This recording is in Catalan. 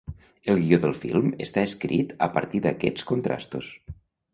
El guió del film està escrit a partir d’aquests contrastos.